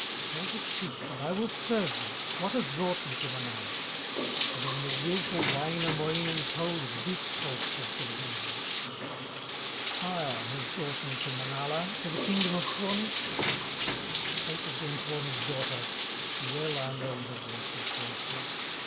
Tell the truth and I will serve thee, What has brought thee to Manala?" Then the stubborn Wainamoinen Told this falsehood to the maiden: "Fire has brought me to Manala, To the kingdom of Tuoni." Spake again Tuoni's daughter: "Well I know the voice of falsehood.